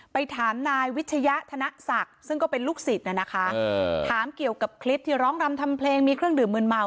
ไปถามนายวิทยาธนศักดิ์ซึ่งก็เป็นลูกศิษย์นะคะ